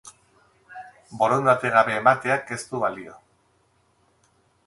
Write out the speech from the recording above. Borondate gabe emateak ez du balio.